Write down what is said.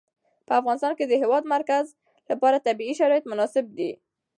په افغانستان کې د د هېواد مرکز لپاره طبیعي شرایط مناسب دي.